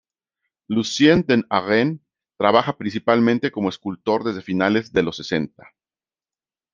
Lucien den Arend trabaja principalmente como escultor desde finales de los sesenta.